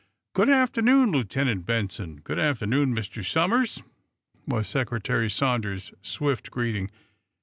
"Good afternoon, Lieutenant Benson. Good afternoon, Mr. Somers," was Secretary Sanders's swift greeting.